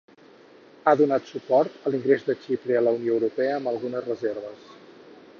Ha donat suport a l'ingrés de Xipre a la Unió Europea amb algunes reserves.